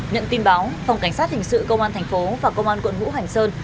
nhận tin báo phòng cảnh sát hình sự công an thành phố và công an quận hữu hành sơn